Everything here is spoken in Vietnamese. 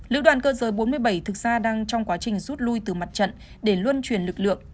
lữ đoàn cơ giới bốn mươi bảy thực ra đang trong quá trình rút lui từ mặt trận để luân truyền lực lượng